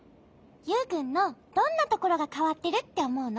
ユウくんのどんなところがかわってるっておもうの？